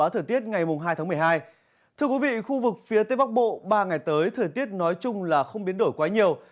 thưa quý vị khu vực phía tây bắc bộ ba ngày tới thời tiết nói chung là không biến đổi quá nhiều